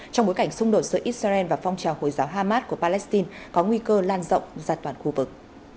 trong bối cảnh xung đột giữa israel và phong trào hồi giáo hamas của palestine có nguy cơ lan rộng ra toàn khu vực